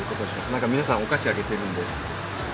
なんか皆さん、お菓子あげてるんで。